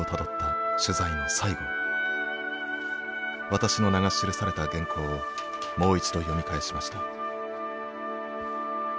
私の名が記された原稿をもう一度読み返しました。